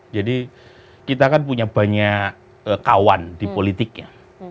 jadi kita kan punya banyak kawan di politiknya